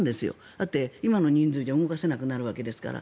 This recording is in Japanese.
だって今の人数じゃ動かせなくなるわけですから。